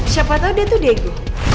siapa tahu dia itu dago